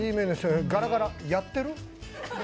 ガラガラ、やってる？